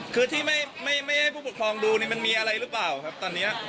คือที่ไม่ให้ผู้ปกครองดูนี่มันมีอะไรหรือเปล่าครับตอนนี้